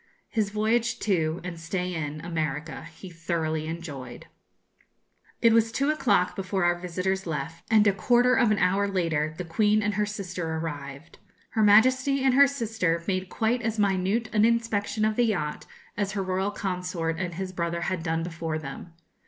His voyage to, and stay in America, he thoroughly enjoyed. It was two o'clock before our visitors left; and a quarter of an hour later the Queen and her sister arrived. Her Majesty and her sister made quite as minute an inspection of the yacht as her royal consort and his brother had done before them.